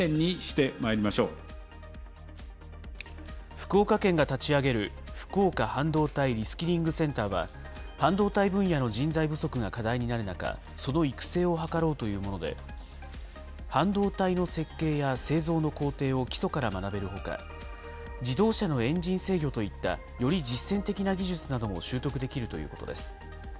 福岡県が立ち上げる、福岡半導体リスキリングセンターは、半導体分野の人材不足が課題になる中、その育成を図ろうというもので、半導体の設計や製造の工程を基礎から学べるほか、自動車のエンジン制御といったより実践的な技術なども習得できるということです。